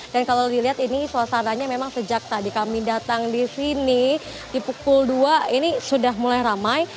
dan kalau dilihat ini suasananya memang sejak tadi kami datang disini di pukul dua ini sudah mulai ramai